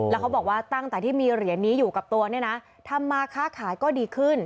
แล้วเขาบอกว่าตั้งแต่ที่มีเหรียญนี้อยู่กับตัวเนี่ยนะทำมาค้าขายก็ดีขึ้น